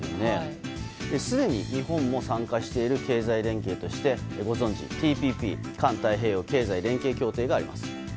すでに日本も参加している経済連携としてご存じＴＰＰ・環太平洋経済連携協定があります。